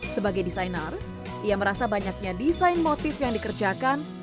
sebagai desainer ia merasa banyaknya desain motif yang dikerjakan